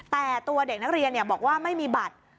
แต่ตัวเด็กนักเรียนบอกว่าไม่มีบัตร